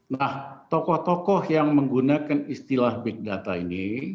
nah tokoh tokoh yang menggunakan istilah big data ini